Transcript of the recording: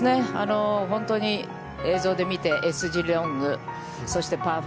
本当に映像で見て、Ｓ字ロングパー５。